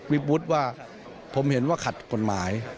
มีวุฒิว่าผมเห็นว่าขัดกฎหมาย